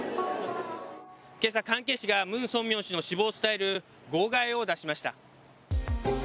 今朝、関係紙がムン・ソンミョン氏の死亡を伝える号外を出しました。